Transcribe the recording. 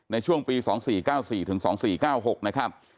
ในช่วงปี๒๔๙๔ถึง๒๔๙๖นะครับ